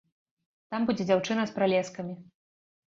Там будзе дзяўчына з пралескамі.